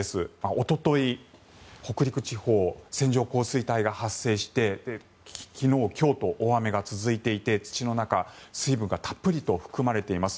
おととい、北陸地方線状降水帯が発生して昨日今日と大雨が続いていて土の中、水分がたっぷりと含まれています。